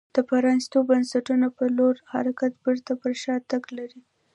د پرانیستو بنسټونو په لور حرکت بېرته پر شا تګ لري.